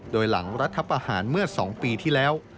โดยหลังรัฐประหารเมื่อ๒ปีที่แล้ว